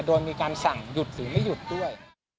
โดยมีการสั่งหยุดหรือไม่หยุดด้วย